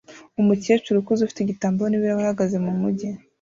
Umukecuru ukuze ufite igitambaro n'ibirahure ahagaze mumujyi